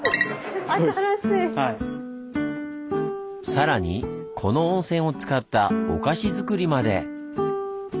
さらにこの温泉を使ったお菓子づくりまで！